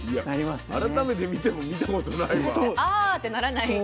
改めて見ても見たことないわ。